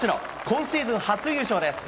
今シーズン初優勝です。